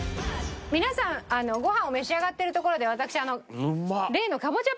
皆さんご飯を召し上がってるところで私あの例のいきますよ。